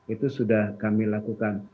itu sudah kami lakukan